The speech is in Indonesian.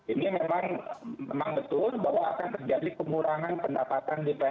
ini memang betul bahwa akan terjadi pengurangan pendapatan di phk